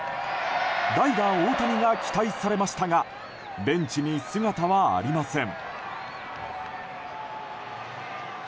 代打・大谷が期待されましたがベンチに姿はありません。